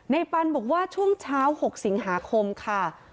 ปันบอกว่าช่วงเช้า๖สิงหาคมค่ะ